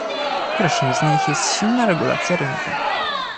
Pierwszym z nich jest silna regulacja rynku